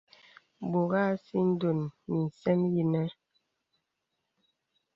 Bòt à sìdòn lìsɛm yìnə̀.